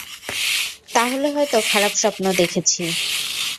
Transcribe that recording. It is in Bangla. তাহলে হয়তো খারাপ স্বপ্ন দেখেছি।